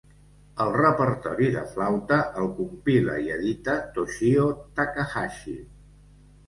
El repertori de flauta el compila i edita Toshio Takahashi.